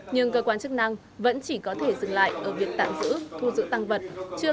nhưng cơ quan chức năng vẫn chỉ có thể dừng lại ở việc tạm giữ thu giữ tăng vật chưa có chế tải xử lý xử phạt nhằm gian đe người vi phạm